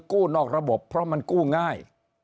กู้นอกระบบเพราะมันกู้ง่าย